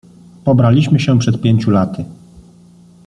"Pobraliśmy się przed pięciu laty."